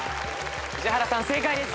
宇治原さん正解です。